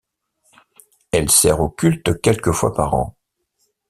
Elle sert au culte quelques fois par an.